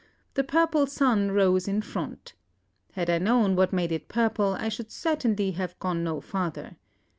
The purple sun rose in front. Had I known what made it purple I should certainly have gone no farther.